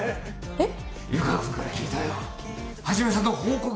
えっ？